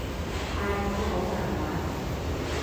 太鼓好難玩